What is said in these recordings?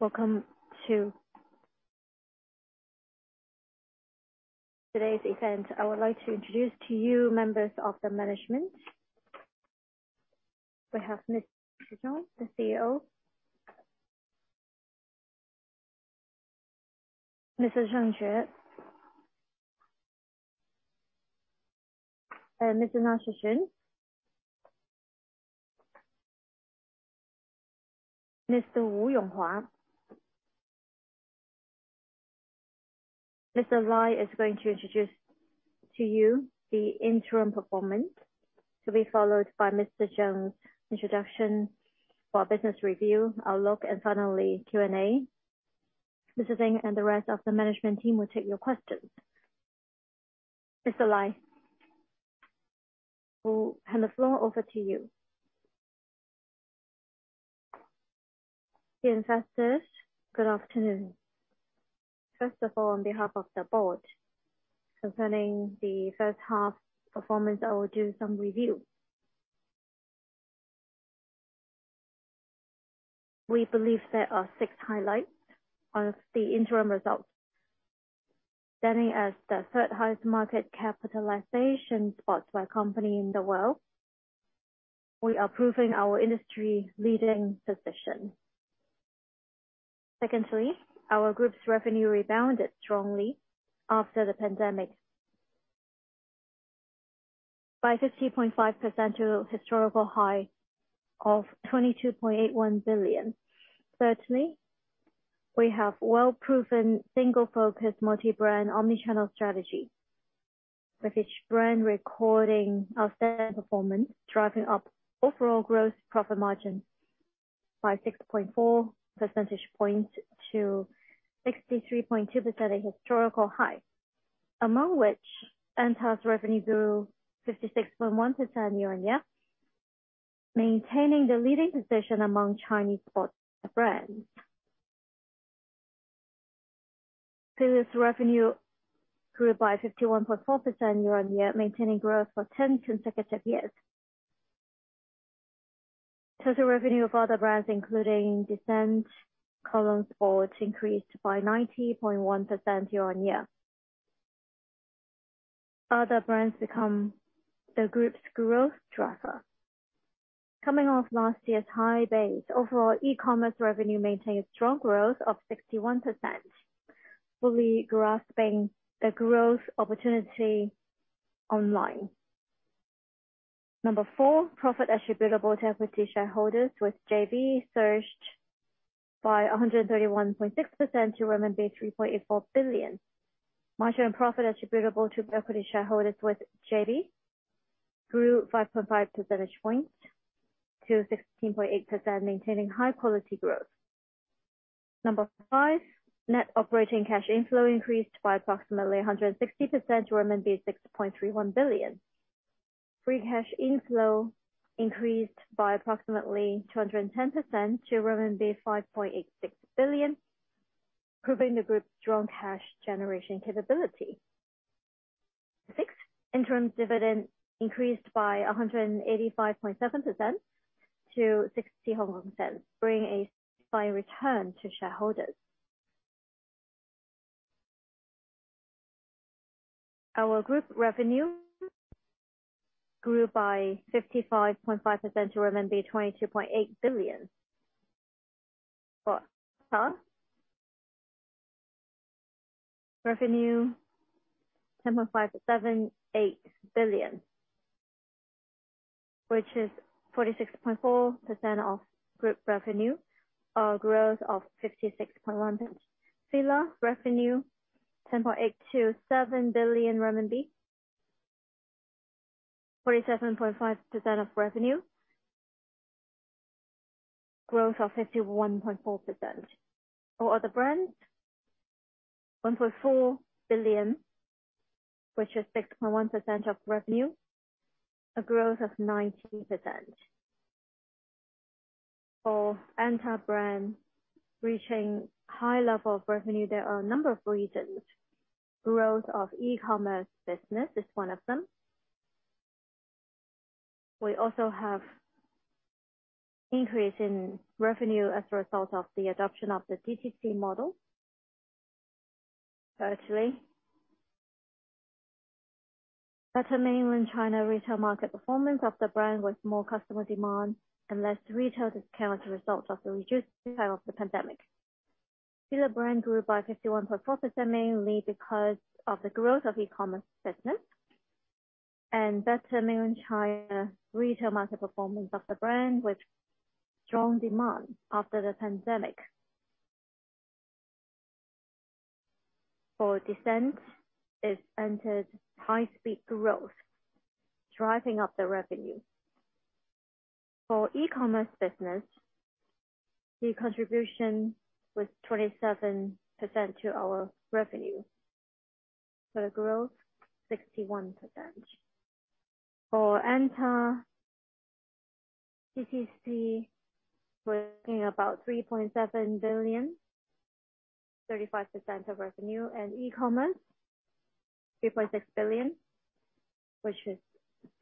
Good afternoon. Welcome to today's event. I would like to introduce to you members of the management. We have Mr. Ding, the CEO, Mr. Zheng Jie, and Mr. Lai Shixian. Mr. Wu Yonghua. Mr. Lai is going to introduce to you the interim performance, to be followed by Mr. Zheng's introduction for business review outlook, and finally Q&A. Mr. Zheng and the rest of the management team will take your questions. Mr. Lai, we hand the floor over to you. Investors, good afternoon. First of all, on behalf of the board, concerning the first half performance, I will do some review. We believe there are six highlights of the interim results. Standing as the third highest market capitalization sportswear company in the world, we are proving our industry-leading position. Secondly, our group's revenue rebounded strongly after the pandemic by 50.5% to a historical high of 22.81 billion. Thirdly, we have well-proven single-focused, multi-brand, omni-channel strategy. With each brand recording outstanding performance, driving up overall gross profit margin by 6.4 percentage points to 63.2%, a historical high. Among which, ANTA's revenue grew 56.1% year-on-year, maintaining the leading position among Chinese sports brands. FILA's revenue grew by 51.4% year-on-year, maintaining growth for 10 consecutive years. Total revenue of other brands, including DESCENTE, KOLON SPORT, increased by 90.1% year-on-year. Other brands become the group's growth driver. Coming off last year's high base, overall e-commerce revenue maintained strong growth of 61%, fully grasping the growth opportunity online. Number four, profit attributable to equity shareholders with JV surged by 131.6% to renminbi 3.84 billion. Margin profit attributable to equity shareholders with JV grew 5.5 percentage points to 16.8%, maintaining high quality growth. Number five, net operating cash inflow increased by approximately 160% to RMB 6.31 billion. Free cash inflow increased by approximately 210% to 5.86 billion, proving the group's strong cash generation capability. Six, interim dividend increased by 185.7% to 0.60, bringing a fine return to shareholders. Our group revenue grew by 55.5% to RMB 22.8 billion. For ANTA, revenue RMB 10.578 billion, which is 46.4% of group revenue. A growth of 56.1%. FILA revenue, 10.827 billion RMB, 47.5% of revenue. Growth of 51.4%. For other brands, 1.4 billion, which is 6.1% of revenue, a growth of 90%. For ANTA brand reaching high level of revenue, there are a number of reasons. Growth of e-commerce business is one of them. We also have increase in revenue as a result of the adoption of the DTC model. Thirdly, better mainland China retail market performance of the brand with more customer demand and less retail discount as a result of the reduced of the pandemic. FILA brand grew by 51.4%, mainly because of the growth of e-commerce business and better mainland China retail market performance of the brand, with strong demand after the pandemic. DESCENTE, it entered high-speed growth, driving up the revenue. E-commerce business, the contribution was 27% to our revenue. Growth, 61%. ANTA DTC was about 3.7 RMB billion, 35% of revenue, and e-commerce, 3.6 billion, which is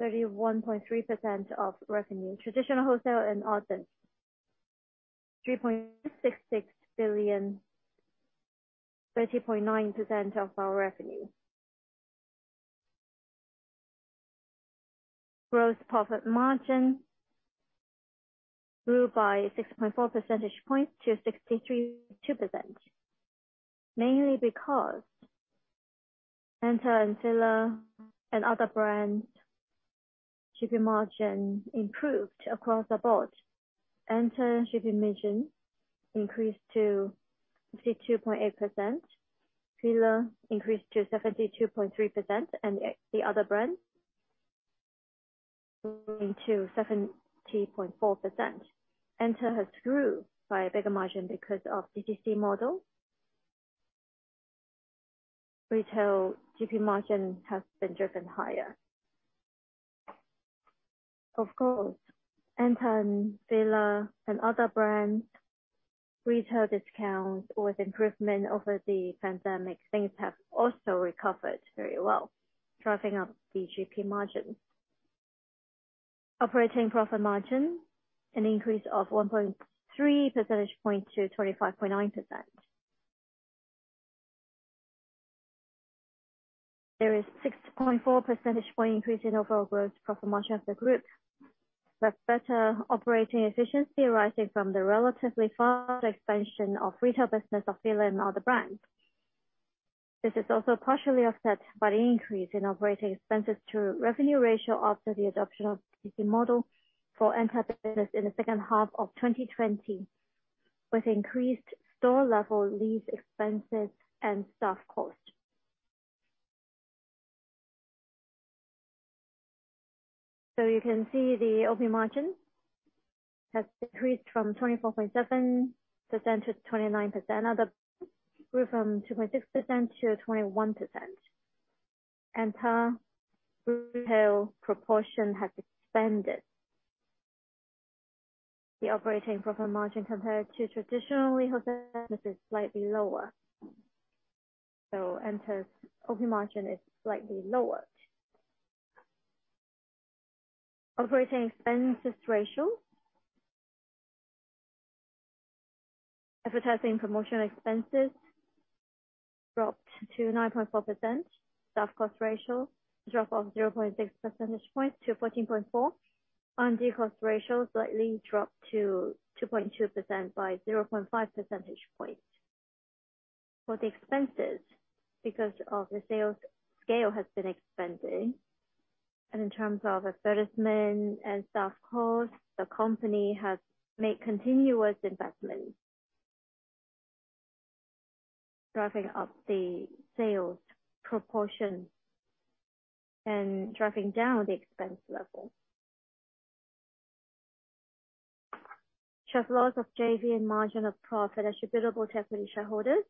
31.3% of revenue. Traditional wholesale and others, RMB 3.66 billion, 30.9% of our revenue. Gross profit margin grew by 6.4 percentage points to 63.2%, mainly because ANTA and FILA and other brands GP margin improved across the board. ANTA GP margin increased to 52.8%, FILA increased to 72.3%, and the other brands grew to 70.4%. ANTA has grew by a bigger margin because of DTC model. Retail GP margin has been driven higher. Of course, ANTA and FILA and other brands retail discounts with improvement over the pandemic. Things have also recovered very well, driving up the GP margin. Operating profit margin, an increase of 1.3 percentage points- 25.9%. There is 6.4 percentage point increase in overall gross profit margin of the group. With better operating efficiency arising from the relatively fast expansion of retail business of FILA and other brands. This is also partially offset by the increase in operating expenses to revenue ratio after the adoption of DTC model for ANTA business in the second half of 2020, with increased store-level lease expenses and staff cost. You can see the OP margin has decreased from 24.7%-29%, other grew from 2.6% to 21%. ANTA retail proportion has expanded. The operating profit margin compared to traditional retail business is slightly lower. ANTA's OP margin is slightly lower. Operating expenses ratio. Advertising promotional expenses dropped to 9.4%. Staff cost ratio drop of 0.6 percentage points to 14.4%. R&D cost ratio slightly dropped to 2.2% by 0.5 percentage points. For the expenses, because of the sales scale has been expanding, and in terms of advertisement and staff cost, the company has made continuous investment, driving up the sales proportion and driving down the expense level. Share of loss of JV and margin of profit attributable to equity shareholders.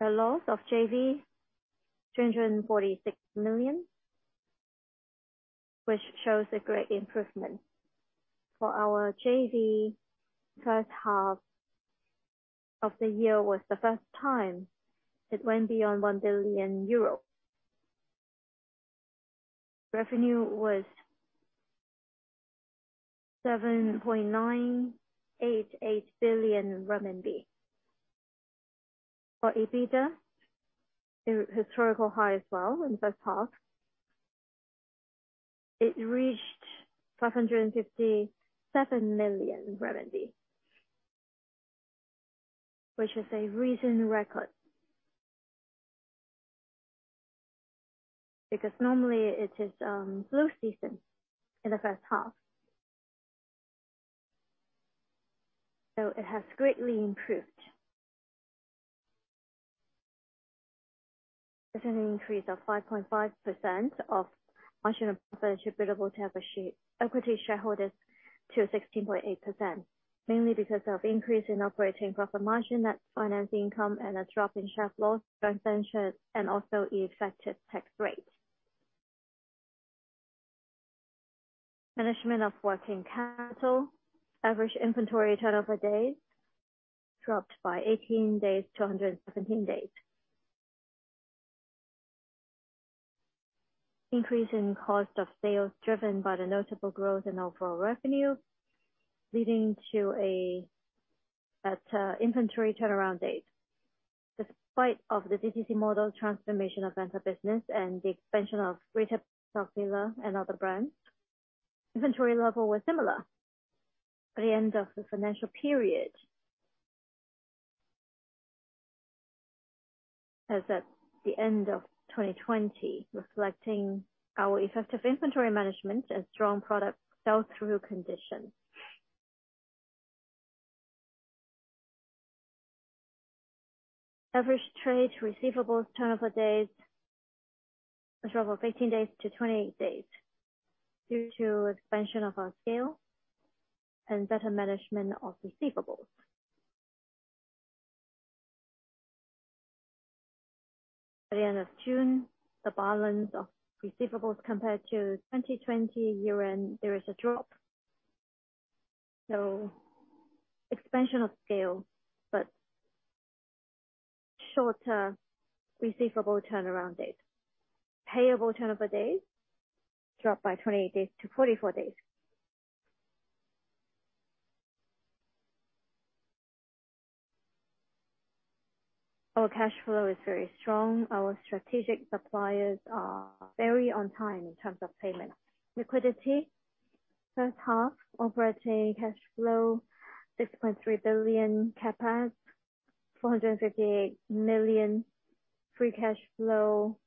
The loss of JV, 346 million, which shows a great improvement. For our JV, first half of the year was the first time it went beyond 1 billion euros. Revenue was RMB 7.988 billion. For EBITDA, a historical high as well in the first half. It reached RMB 557 million, which is a recent record. Because normally it is low season in the first half. It has greatly improved. There's an increase of 5.5% of margin of profit attributable to equity shareholders to 16.8%, mainly because of increase in operating profit margin, net finance income, and a drop in share of loss from joint venture, and also effective tax rate. Management of working capital. Average inventory turnover days dropped by 18 days to 117 days. Increase in cost of sales driven by the notable growth in overall revenue, leading to a better inventory turnaround date. Despite of the DTC model transformation of ANTA business and the expansion of retail business of FILA and other brands, inventory level was similar by the end of the financial period as at the end of 2020, reflecting our effective inventory management and strong product sell-through conditions. Average trade receivables turnover days short of 15 days to 28 days due to expansion of our scale and better management of receivables. At the end of June, the balance of receivables compared to 2020 year-end, there is a drop. Expansion of scale, but shorter receivable turnaround date. Payable turnover days dropped by 20 days to 44 days. Our cash flow is very strong. Our strategic suppliers are very on time in terms of payment. Liquidity. First half operating cash flow, 6.3 billion CapEx, 458 million. Free cash flow,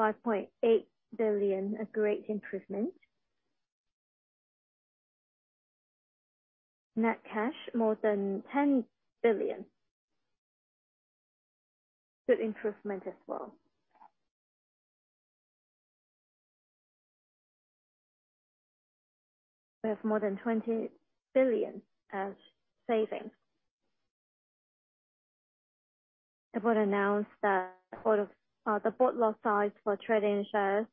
5.8 billion. A great improvement. Net cash, more than 10 billion. Good improvement as well. We have more than 20 billion as savings. The board announced that the board lot size for trading shares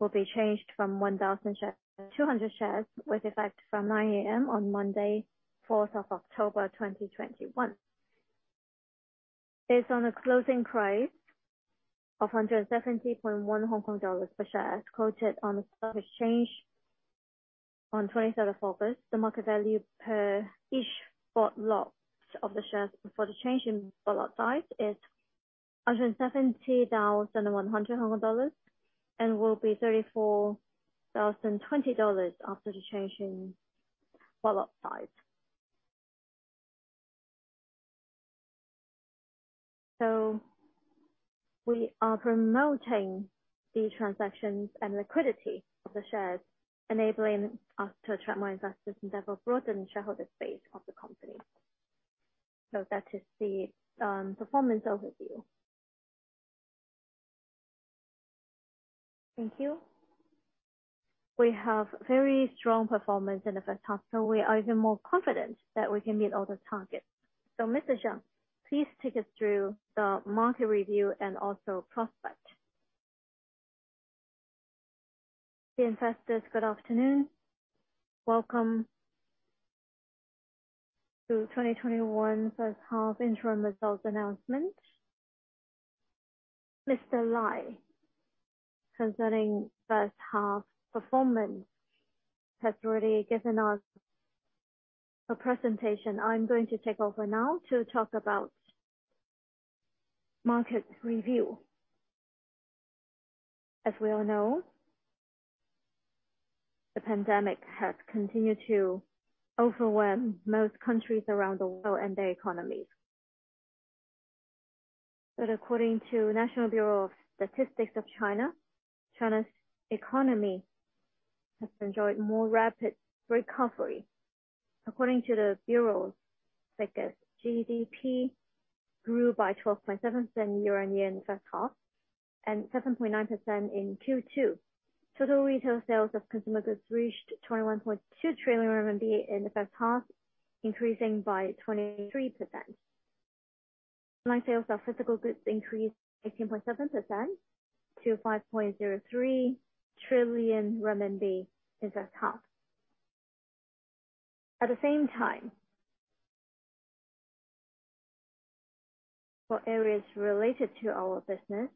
will be changed from 1,000 shares to 200 shares with effect from 9:00 A.M. on Monday, October 4th 2021. Based on the closing price of 170.1 Hong Kong dollars per share, as quoted on the Stock Exchange on 23rd of August, the market value per each board lot of the shares before the change in board lot size is 170,100 dollars and will be 34,020 dollars after the change in board lot size. We are promoting the transactions and liquidity of the shares, enabling us to attract more investors and therefore broaden the shareholder space of the company. That is the performance overview. Thank you. We have very strong performance in the first half. We are even more confident that we can meet all the targets. Mr. Zheng, please take us through the market review and also prospect. Dear investors, good afternoon. Welcome to 2021's first half interim results announcement. Mr. Lai, concerning first half performance, has already given us a presentation. I'm going to take over now to talk about market review. As we all know, the pandemic has continued to overwhelm most countries around the world and their economies. According to National Bureau of Statistics of China's economy has enjoyed more rapid recovery. According to the Bureau figures, GDP grew by 12.7% year-on-year in first half and 7.9% in Q2. Total retail sales of consumer goods reached 21.2 trillion RMB in the first half, increasing by 23%. Online sales of physical goods increased 18.7% to RMB 5.03 trillion in the first half. At the same time, for areas related to our business,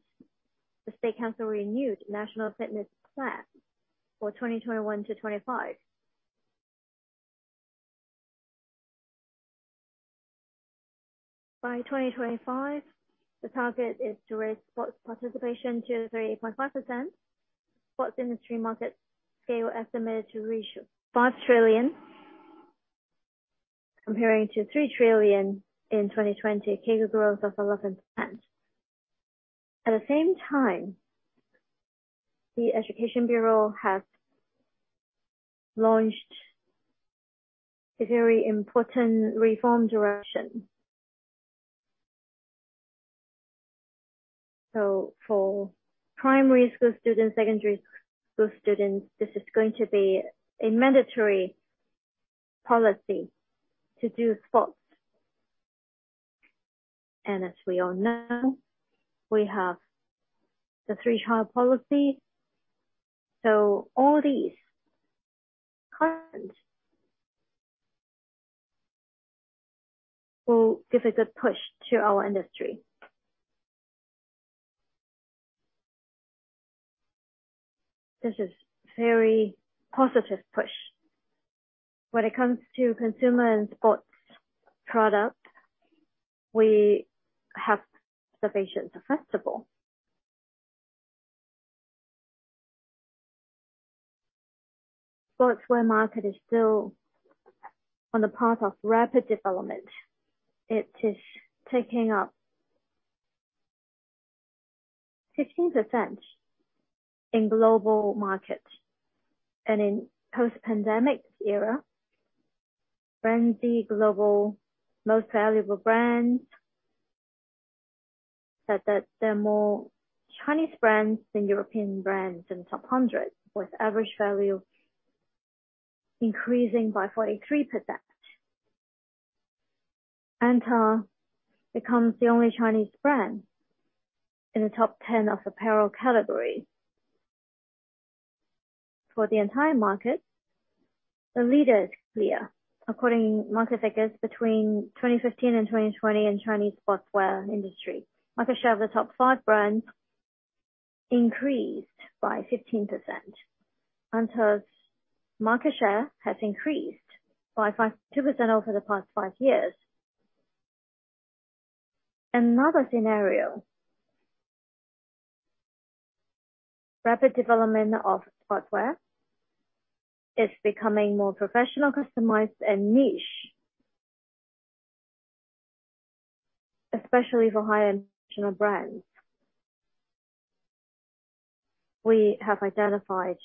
the State Council renewed National Fitness Plan for 2021 to 2025. By 2025, the target is to raise sports participation to 3.5%. Sports industry market scale estimated to reach 5 trillion, comparing to 3 trillion in 2020, CAGR growth of 11%. At the same time, the Ministry of Education has launched a very important reform direction. For primary school students, secondary school students, this is going to be a mandatory policy to do sports. As we all know, we have the Three-child policy. All these current will give a good push to our industry. This is very positive push. When it comes to consumer and sports product, we have the Beijing Olympics. Sportswear market is still on the path of rapid development. It is taking up 15% in global market. In post-pandemic era, BrandZ global most valuable brands said that there are more Chinese brands than European brands in top 100, with average value increasing by 43%. ANTA becomes the only Chinese brand in the top 10 of apparel category. For the entire market, the leader is clear. According to market figures, between 2015 and 2020 in Chinese sportswear industry, market share of the top five brands increased by 15%. ANTA's market share has increased by 2% over the past five years. Another scenario, rapid development of sportswear is becoming more professional, customized, and niche, especially for high-end national brands. We have identified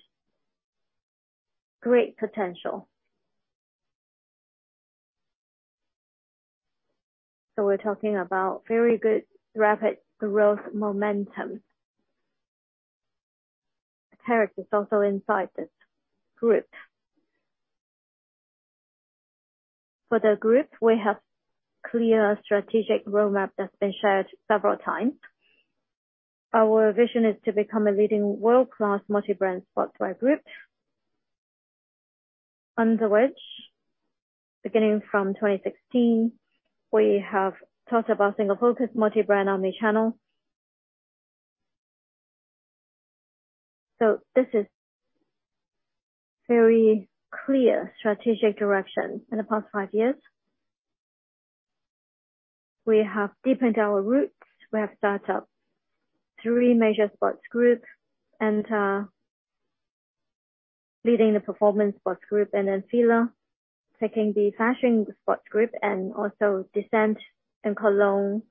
great potential. We're talking about very good rapid growth momentum. Character is also inside this group. For the group, we have clear strategic roadmap that's been shared several times. Our vision is to become a leading world-class multi-brand sportswear group, under which, beginning from 2016, we have talked about single-focus multi-brand omni-channel. This is very clear strategic direction. In the past five years, we have deepened our roots. We have set up three major sports groups, ANTA leading the performance sports group, and then FILA taking the fashion sports group, and also DESCENTE and KOLON SPORT,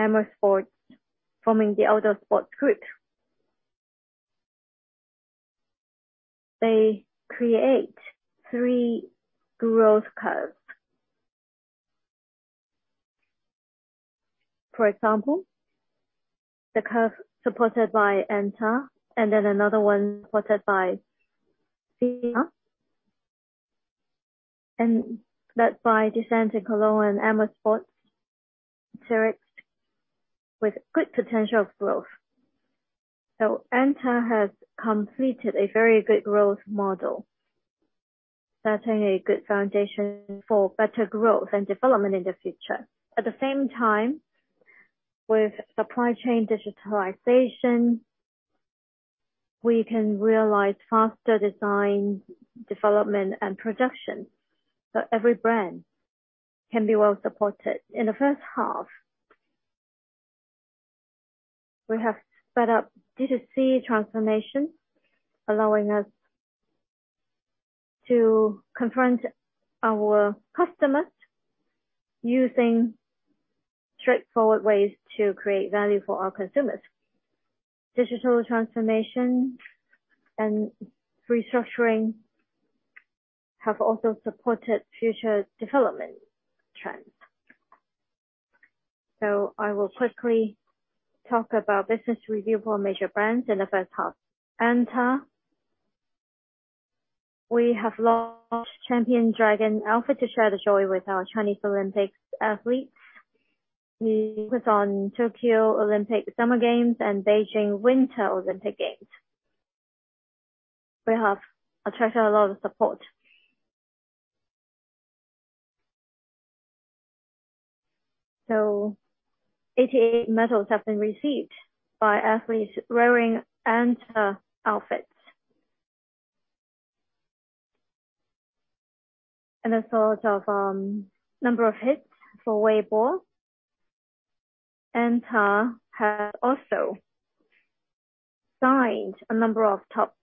Amer Sports forming the outdoor sports group. They create three growth curves. For example, the curve supported by ANTA, and then another one supported by FILA, and led by DESCENTE and KOLON SPORT and Amer Sports, Arc'teryx, with good potential of growth. ANTA has completed a very good growth model, setting a good foundation for better growth and development in the future. At the same time, with supply chain digitalization, we can realize faster design, development, and production, so every brand can be well supported. In the first half, we have sped up D2C transformation, allowing us to confront our customers using straightforward ways to create value for our consumers. Digital transformation and restructuring have also supported future development trends. I will quickly talk about business review for major brands in the first half. ANTA, we have launched Champion Dragon outfit to share the joy with our Chinese Olympics athletes. We focus on Tokyo Olympic Summer Games and Beijing Winter Olympic Games. We have attracted a lot of support. 88 medals have been received by athletes wearing ANTA outfits. A sort of number of hits for Weibo. ANTA has also signed a number of top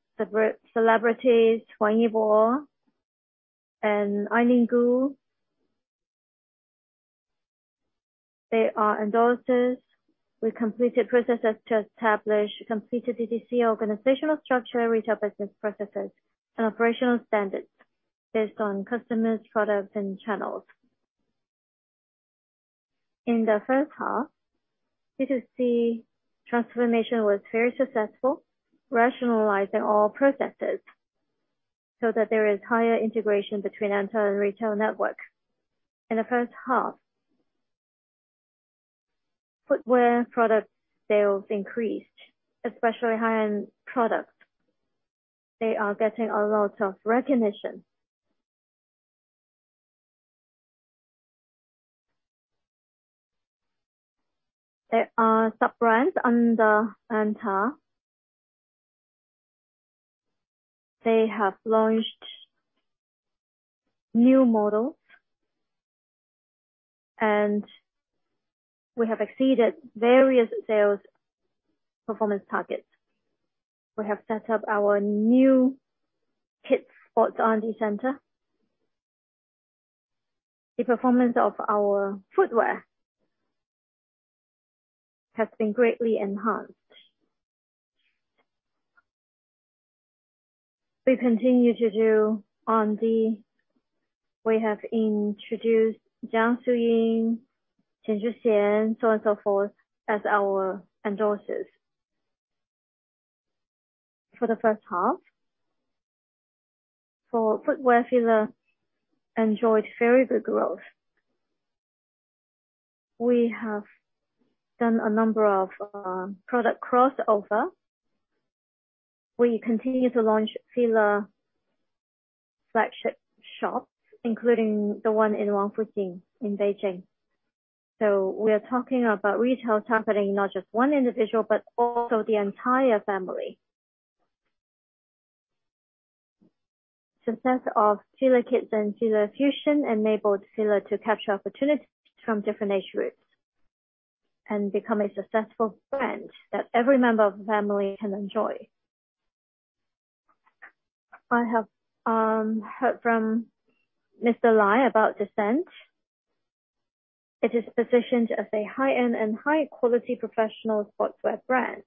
celebrities, Wang Yibo and Eileen Gu. They are endorsers. We completed processes to establish completed D2C organizational structure, retail business processes, and operational standards based on customers, products, and channels. In the first half, D2C transformation was very successful, rationalizing all processes so that there is higher integration between ANTA and retail network. In the first half, footwear product sales increased, especially high-end products. They are getting a lot of recognition. There are sub-brands under ANTA. They have launched new models, and we have exceeded various sales performance targets. We have set up our new kids sports R&D center. The performance of our footwear has been greatly enhanced. We continue to do R&D. We have introduced Jiang Shuying, Quan Zhixian, so and so forth, as our endorsers. For the first half, for footwear, FILA enjoyed very good growth. We have done a number of product crossover. We continue to launch FILA flagship shops, including the one in Wangfujing in Beijing. We are talking about retail targeting, not just one individual, but also the entire family. Success of FILA KIDS and FILA FUSION enabled FILA to capture opportunities from different age groups and become a successful brand that every member of the family can enjoy. I have heard from Mr. Lai about DESCENTE. It is positioned as a high-end and high-quality professional sportswear brand.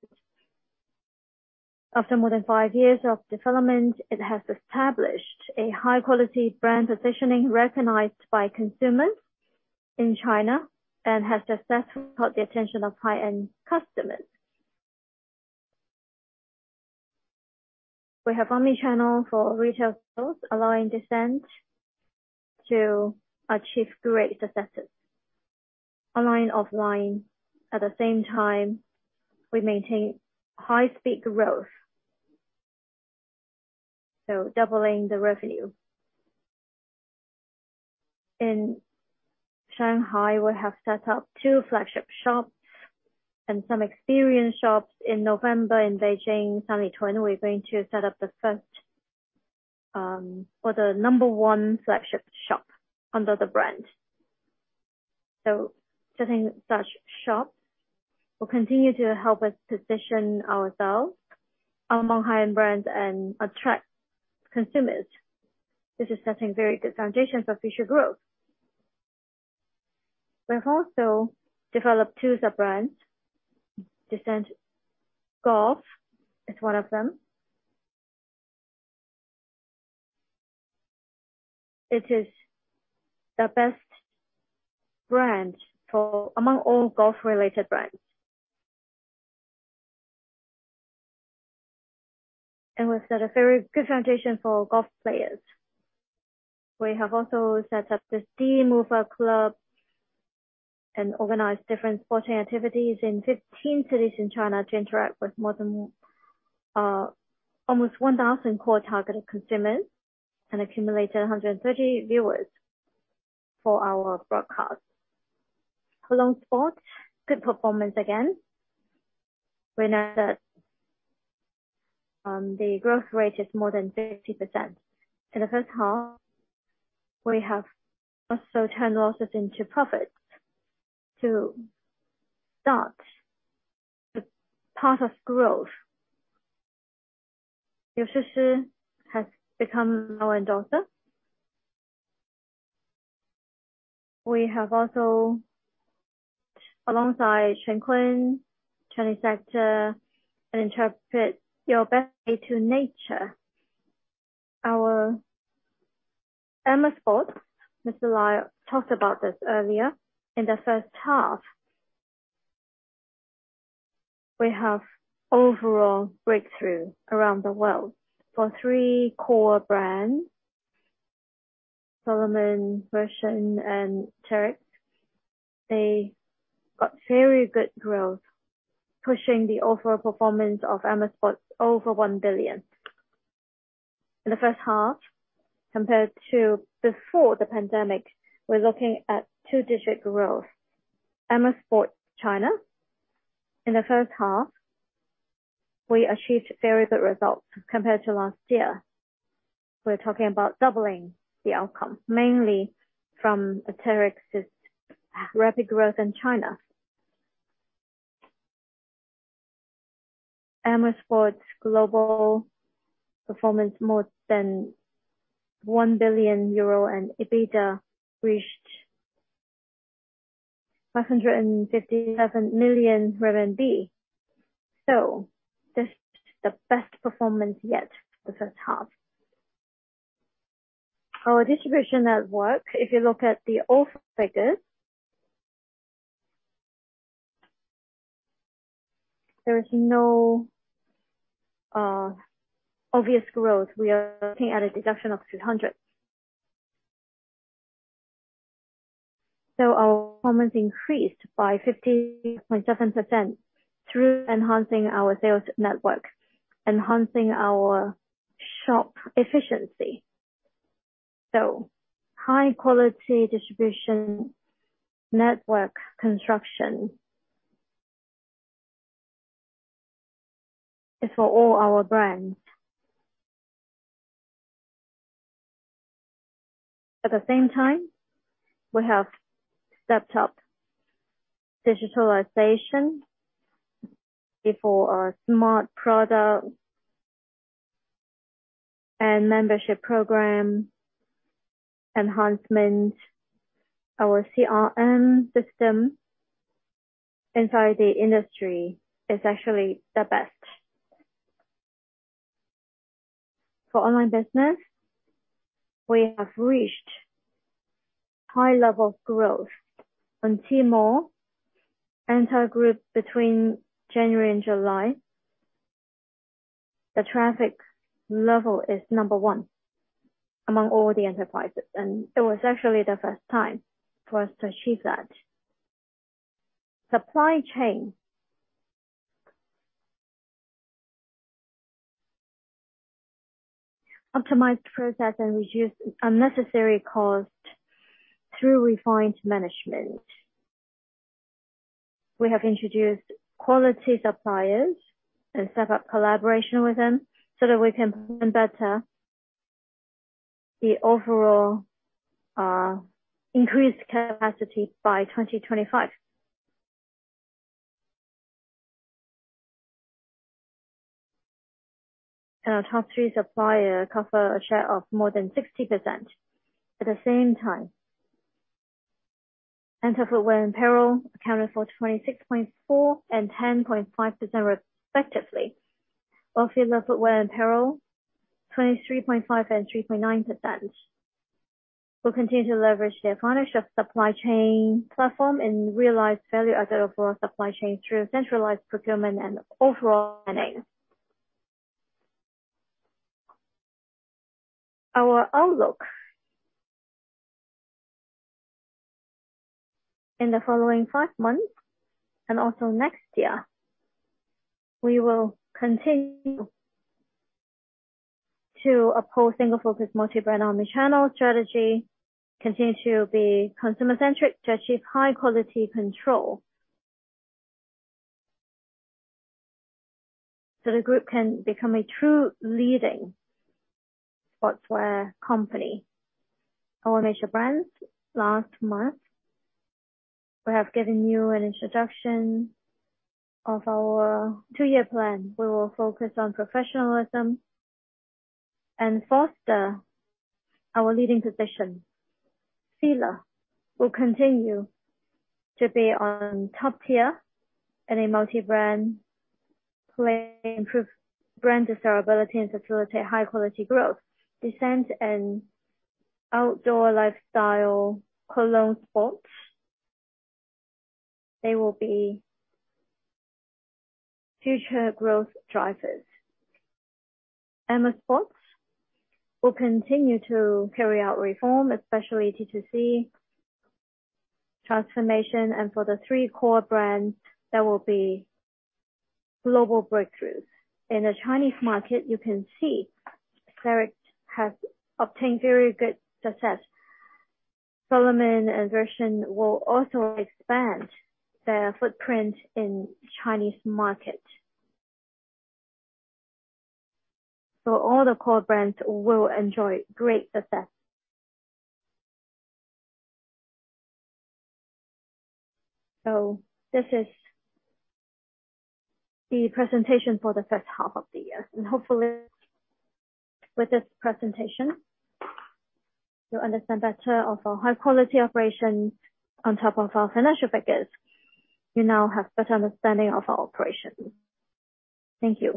After more than five years of development, it has established a high-quality brand positioning recognized by consumers in China and has successfully caught the attention of high-end customers. We have omnichannel for retail stores, allowing DESCENTE to achieve great successes. Online, offline, at the same time, we maintain high-speed growth. Doubling the revenue. In Shanghai, we have set up two flagship shops and some experience shops. In November in Beijing, Sanlitun, we're going to set up the first, or the number one flagship shop under the brand. Setting such shops will continue to help us position ourselves among high-end brands and attract consumers. This is setting very good foundations for future growth. We have also developed two sub-brands. DESCENTE Golf is one of them. It is the best brand among all golf-related brands, and we've set a very good foundation for golf players. We have also set up the D-mover Club and organized different sporting activities in 15 cities in China to interact with almost 1,000 core targeted consumers and accumulated 130 viewers for our broadcast. KOLON SPORT, good performance again. We know that the growth rate is more than 30%. In the first half, we have also turned losses into profits to start the path of growth. Liu Shishi has become our endorser. We have also, alongside Chen Kun, Chinese actor, interpret your way to nature. Our Amer Sports, Mr. Lai talked about this earlier. In the first half, we have overall breakthrough around the world for three core brands, Salomon, Wilson, and Arc'teryx. They got very good growth, pushing the overall performance of Amer Sports over 1 billion. In the first half, compared to before the pandemic, we're looking at two-digit growth. Amer Sports China, in the first half, we achieved very good results compared to last year. We're talking about doubling the outcome, mainly from Salomon's rapid growth in China. Amer Sports' global performance, more than 1 billion euro, and EBITDA reached 557 million RMB. That's the best performance yet for the first half. Our distribution network, if you look at the overall figures, there is no obvious growth. We are looking at a deduction of 200. Our performance increased by 50.7% through enhancing our sales network, enhancing our shop efficiency. High-quality distribution network construction is for all our brands. At the same time, we have stepped up digitalization for our smart product and membership program enhancement. Our CRM system inside the industry is actually the best. For online business, we have reached high level of growth on Tmall. ANTA Group between January and July, the traffic level is number one among all the enterprises, and it was actually the first time for us to achieve that. Supply chain. Optimized process and reduced unnecessary cost through refined management. We have introduced quality suppliers and set up collaboration with them so that we can perform better the overall increased capacity by 2025. Our top three supplier cover a share of more than 60%. At the same time, ANTA footwear and apparel accounted for 26.4% and 10.5% respectively. While FILA footwear and apparel, 23.5% and 3.9%. We'll continue to leverage the financial supply chain platform and realize value added for our supply chain through centralized procurement and overall planning. Our outlook. In the following five months, also next year, we will continue to uphold single-focus, multi-brand, omni-channel strategy, continue to be consumer-centric to achieve high-quality control. The group can become a true leading sportswear company. We have given you an introduction of our two-year plan. We will focus on professionalism and foster our leading position. FILA will continue to be on top tier in a multi-brand play, improve brand desirability, and facilitate high-quality growth. DESCENTE and outdoor lifestyle, KOLON SPORT, they will be future growth drivers. Amer Sports will continue to carry out reform, especially D2C transformation. For the three core brands, there will be global breakthroughs. In the Chinese market, you can see Arc'teryx has obtained very good success. Salomon and Wilson will also expand their footprint in Chinese market. All the core brands will enjoy great success. This is the presentation for the first half of the year. Hopefully with this presentation, you'll understand better of our high-quality operations on top of our financial figures. You now have better understanding of our operations. Thank you.